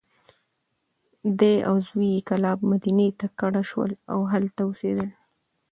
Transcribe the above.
دی او زوی یې کلاب، مدینې ته کډه شول. او هلته اوسېدل.